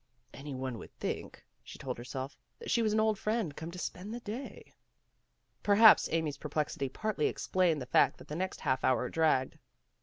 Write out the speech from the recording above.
"Any one would think," she told herself, "that she was an old friend come to spend the day." Perhaps Amy's perplexity partly explained the fact that the next half hour dragged.